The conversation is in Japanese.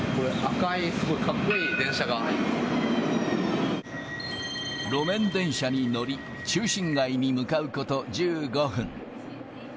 これ、路面電車に乗り、中心街に向かうこと１５分。